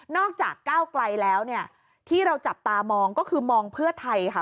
จากก้าวไกลแล้วเนี่ยที่เราจับตามองก็คือมองเพื่อไทยค่ะ